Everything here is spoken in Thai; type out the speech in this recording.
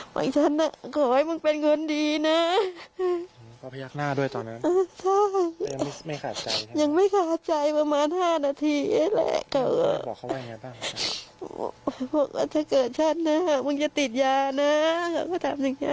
บอกว่าถ้าเกิดฉันนะมึงจะติดยานะเขาก็ทำสิ่งเนี่ย